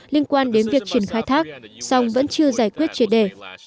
liên quan đến việc triển khai thác song vẫn chưa giải quyết triệt đề